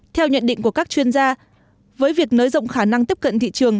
theo nhận định của các chuyên gia với việc nới rộng khả năng tiếp cận thị trường